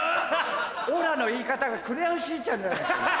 「オラ」の言い方が『クレヨンしんちゃん』じゃねえか。